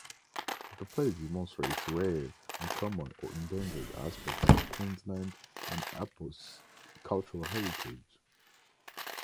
The place demonstrates rare, uncommon or endangered aspects of Queensland and apos;s cultural heritage.